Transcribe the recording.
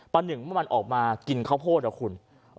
ป่านึ่งมันออกมากินข้าวโพดครับคุณ